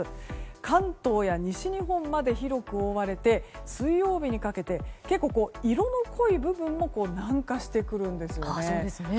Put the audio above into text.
関東や西日本まで広く覆われて水曜日にかけて色の濃い部分も南下してくるんですね。